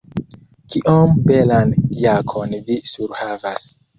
Kiom belan jakon vi surhavas.